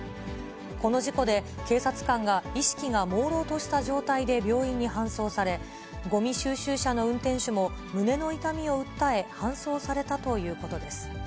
この事故で警察官が意識がもうろうとした状態で病院に搬送され、ごみ収集車の運転手も胸の痛みを訴え、搬送されたということです。